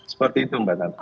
seperti itu mbak nana